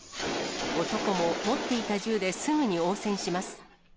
男も持っていた銃ですぐに応戦します。